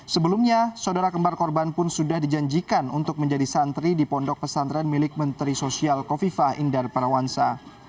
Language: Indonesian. sebelumnya saudara kembar korban pun sudah dijanjikan untuk menjadi santri di pondok pesantren milik menteri sosial kofifah indar parawansa